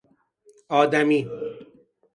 آدمی